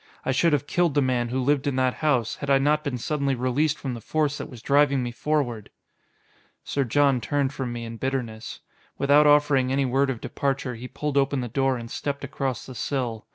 I should have killed the man who lived in that house, had I not been suddenly released from the force that was driving me forward!" Sir John turned from me in bitterness. Without offering any word of departure, he pulled open the door and stepped across the sill.